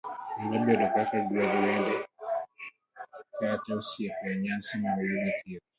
nyalo bedo kaka gwelo wede kata osiepe e nyasi mag yudo thieth,